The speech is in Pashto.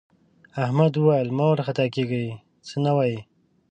احمد وویل مه وارخطا کېږه څه نه وايي.